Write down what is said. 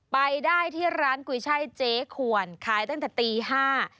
ไปได้ที่ร้านกุยช่ายเจ๊ควรขายตั้งแต่ตีห้า